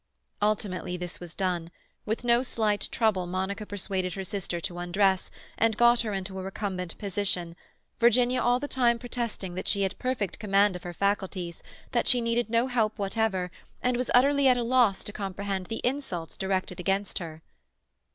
Ultimately this was done. With no slight trouble, Monica persuaded her sister to undress, and got her into a recumbent position, Virginia all the time protesting that she had perfect command of her faculties, that she needed no help whatever, and was utterly at a loss to comprehend the insults directed against her.